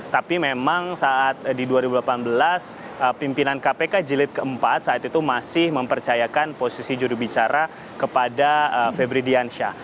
tapi memang saat di dua ribu delapan belas pimpinan kpk jilid keempat saat itu masih mempercayakan posisi jurubicara kepada febri diansyah